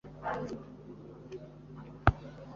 Ineza yize icyitegererezo ntangere yari Atticus Finch